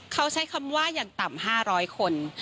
เขาใช้คำว่าอย่างต่ำ๕๐๐คน